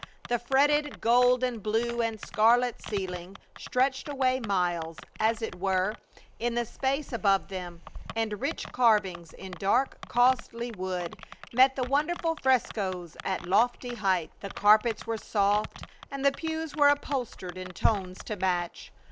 The fretted gold and blue and scarlet ceiling stretched away miles, as it were, in the space above them, and rich carvings in dark, costly wood met the wonderful frescoes at lofty heights. The carpets were soft, and the pews were upholstered in tones to match.